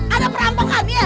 ada perampokan ya